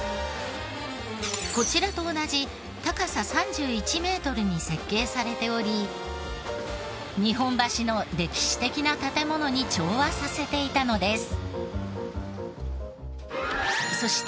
こちらと同じ高さ３１メートルに設計されており日本橋の歴史的な建ものに調和させていたのです。